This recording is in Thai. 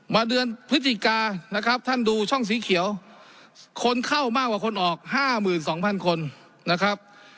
มาเดือนพฤศจิกานะครับท่านดูช่องสีเขียวคนเข้ามากกว่าคนออก๕๒๐๐คนนะครับ